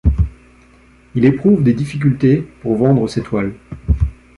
Il éprouve des difficultés pour vendre ses toiles.